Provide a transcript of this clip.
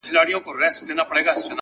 • لوی او کم نارې وهلې په خنداوه ,